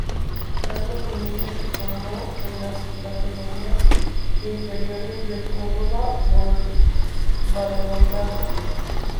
Carlos Molina se formó en las categorías inferiores del Córdoba Balonmano.